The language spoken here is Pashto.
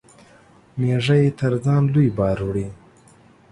مېږى تر ځان لوى بار وړي.